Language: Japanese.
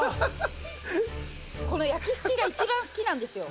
この焼きすきが一番好きなんですよ。